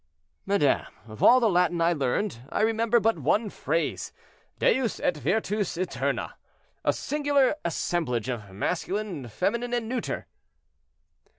"Madame, of all the Latin I learned, I remember but one phrase—'Deus et virtus oeterna'—a singular assemblage of masculine, feminine, and neuter."